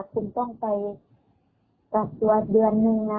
คุณต้องไปกักตัวเดือนนึงนะ